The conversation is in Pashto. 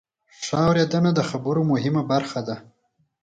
ښه اورېدنه د خبرو مهمه برخه ده.